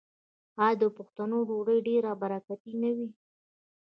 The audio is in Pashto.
آیا د پښتنو ډوډۍ ډیره برکتي نه وي؟